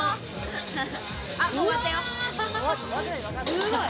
すごい！